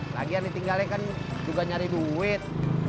lagian ditinggalnya kan juga nyari duit